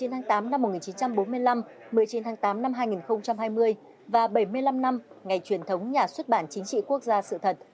một mươi tháng tám năm một nghìn chín trăm bốn mươi năm một mươi chín tháng tám năm hai nghìn hai mươi và bảy mươi năm năm ngày truyền thống nhà xuất bản chính trị quốc gia sự thật